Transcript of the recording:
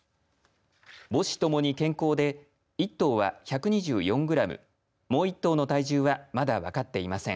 母子ともに健康で１頭は１２４グラムもう１頭の体重はまだ分かっていません。